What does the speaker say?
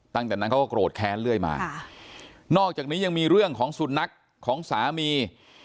ตั้งแต่นั้นเขาก็โกรธแค้นเรื่อยมานอกจากนี้ยังมีเรื่องของสุนัขของสามี